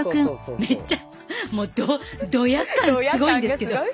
めっちゃもうドヤ感すごいんですけど。